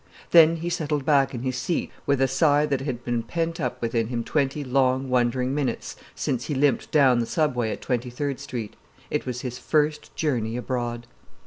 Then he settled back in his seat with a sigh that had been pent up within him twenty long, wondering minutes since he limped down the Subway at Twenty third Street. It was his first journey abroad.